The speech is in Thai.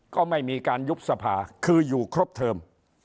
ก็ไม่มีการยุบสภาคืออยู่ครบเทิม